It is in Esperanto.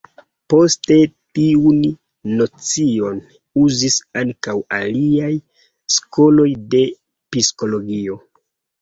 Poste tiun nocion uzis ankaŭ aliaj skoloj de psikologio.